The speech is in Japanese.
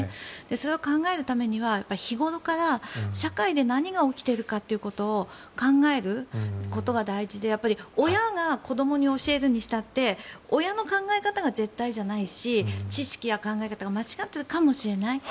それを考えるためには日頃から社会で何が起きているかということを考えるのが大事で親が子どもに教えるにしたって親の考え方が絶対じゃないし知識や考え方が間違っているかもしれない。